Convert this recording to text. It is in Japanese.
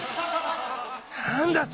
何だと！